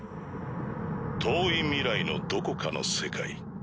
遠い未来のどこかの世界。